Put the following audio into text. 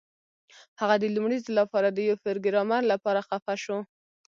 هغه د لومړي ځل لپاره د یو پروګرامر لپاره خفه شو